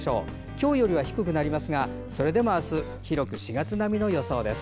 今日よりは低くなりますがそれでも明日広く４月並みの予想です。